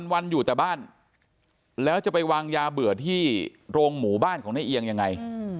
วันอยู่แต่บ้านแล้วจะไปวางยาเบื่อที่โรงหมู่บ้านของในเอียงยังไง